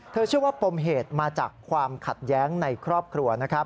เชื่อว่าปมเหตุมาจากความขัดแย้งในครอบครัวนะครับ